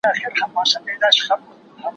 دا احسان دي لا پر ځان نه دی منلی